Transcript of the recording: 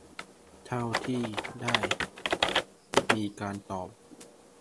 เท่าที่ได้มีการตอบ